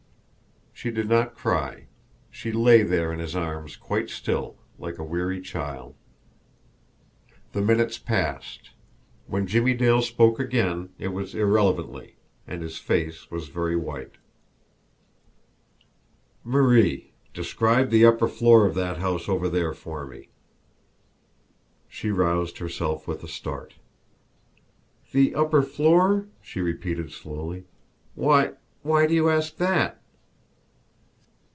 She did not cry. She lay there in his arms quite still like a weary child. The minutes passed. When Jimmie Dale spoke again it was irrelevantly and his face was very white: "Marie, describe the upper floor of that house over there for me." She roused herself with a start. "The upper floor?" she repeated slowly. "Why why do you ask that?"